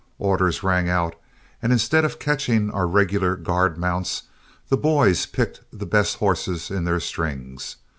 Orders rang out, and instead of catching our regular guard mounts, the boys picked the best horses in their strings.